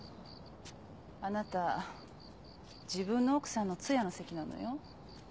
あなた自分の奥さんの通夜の席なのよ。